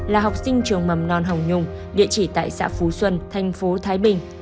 là học sinh trường mầm non hồng nhung địa chỉ tại xã phú xuân tp thái bình